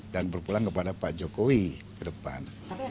berpulang kepada pak jokowi ke depan